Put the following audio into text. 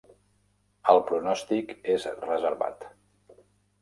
El pronòstic és reservat.